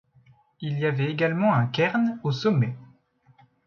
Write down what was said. Il y avait également un cairn au sommet.